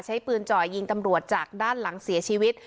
ใช้ปืนจ่อยยิงตำรวจจากด้านหลังเสียชีวิต